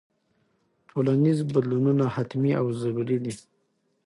ټولنیز بدلونونه حتمي او ضروري دي.